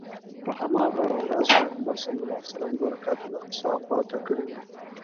په هغه ورځ پیغمبر صلی الله علیه وسلم دوه رکعته الاقصی خواته کړی و.